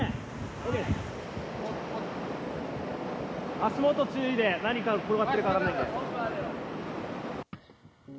足元注意で何か転がってるかもしれないから。